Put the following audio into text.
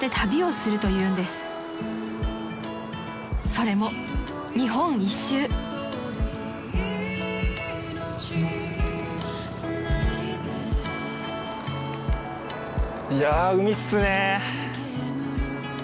［それも日本一周］いや海っすね。